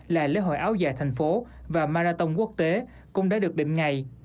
là lễ hội áo dài thành phố và marathon quốc tế cũng đã được định ngày